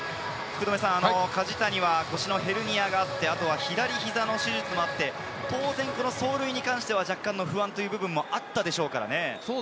梶谷は腰のヘルニアがあって左膝の手術もあって、当然走塁に関しては若干不安もあったでしょうからね。